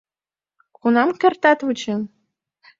Кунар кертат вучен?!